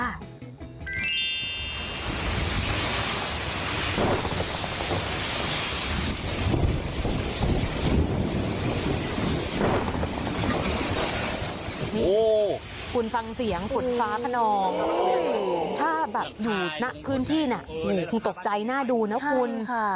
โอ้โหคุณฟังเสียงฝนฟ้าขนองถ้าแบบอยู่ณพื้นที่น่ะคงตกใจน่าดูนะคุณ